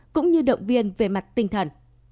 cũng như động viên về mặt tinh thần